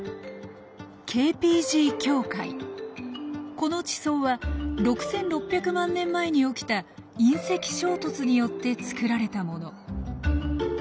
この地層は６６００万年前に起きた隕石衝突によって作られたもの。